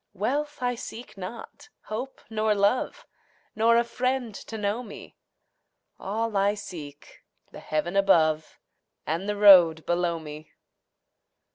Wealth I seek not, hope nor love, Nor a friend to know me; All I seek, the heaven above And the road below me.